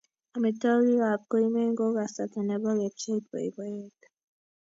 Amitwogikap koimen ko kasarta nebo kepchei boiboiyet